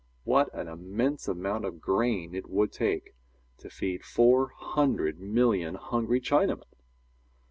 What an immense amount of grain it would take to feed four hundred million hungry Chinamen!